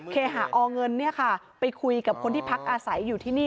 เคหาอเงินไปคุยกับคนที่พักอาศัยอยู่ที่นี่